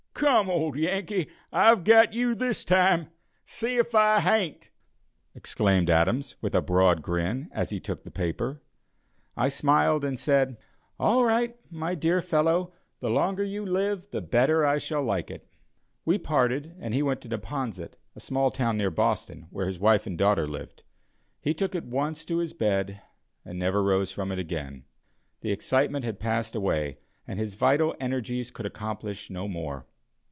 "Come, old Yankee, I've got you this time see if I haint!" exclaimed Adams, with a broad grin, as he took the paper. I smiled, and said: "All right, my dear fellow; the longer you live the better I shall like it." We parted, and he went to Neponset, a small town near Boston, where his wife and daughter lived. He took at once to his bed, and never rose from it again. The excitement had passed away, and his vital energies could accomplish no more.